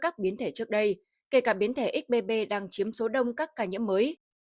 các biến thể trước đây kể cả biến thể xbb đang chiếm số đông các ca nhiễm mới